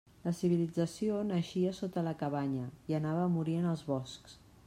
La civilització naixia sota la cabanya i anava a morir en els boscs.